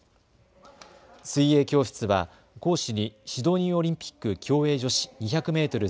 水泳教室は講師にシドニーオリンピック競泳女子２００メートル